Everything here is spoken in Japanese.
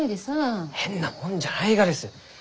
変なもんじゃないがです。